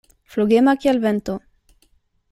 Flugema kiel vento.